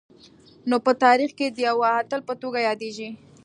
نو په تاریخ کي د یوه اتل په توګه یادیږي